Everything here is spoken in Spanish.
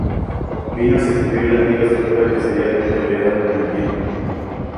Vino a sustituir la antigua estructura que se había deteriorado con el tiempo.